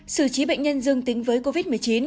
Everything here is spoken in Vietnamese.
xử trí bệnh nhân dương tính với covid một mươi chín